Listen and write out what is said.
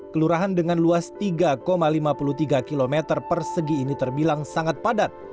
kelurahan dengan luas tiga lima puluh tiga km persegi ini terbilang sangat padat